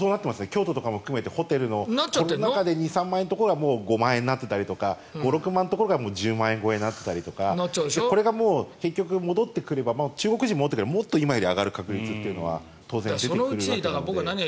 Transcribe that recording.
京都とかも含めてホテルの２３万円のが５万円になってたりとか５６万円のところが１０万超えになったりとかこれが結局、戻ってくれば中国人が戻ってくれば今より上がる確率は当然出てくるわけで。